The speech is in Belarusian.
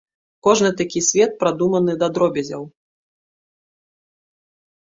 Кожны такі свет прадуманы да дробязяў.